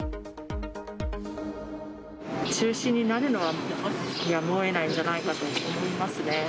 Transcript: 中止になるのはやむをえないんじゃないかと思いますね。